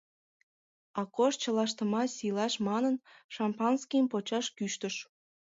Акош, чылаштымат сийлаш манын, шампанскийым почаш кӱштыш.